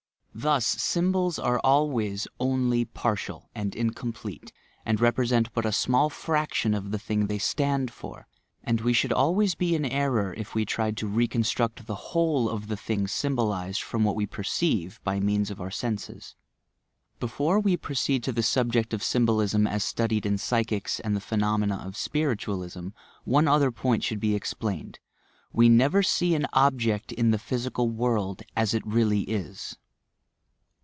Thus, symbols are always only partial and incomplete and represent but a small fraction of the thing they stand for, and we should always be in error if we tried to reconstruct the whole of the thing symbolized from what we perceive, by means of our senses. Before we proceed to the subject of ajTnhoHsm as studied in psychics and in the phenomena of spiritualism. one other point should be explained : We never see &a object in the physical world as it really is